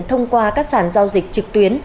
thông qua các sản giao dịch trực tuyến